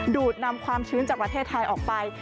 ดูดนำความชื้นจากประเทศไทยออกไป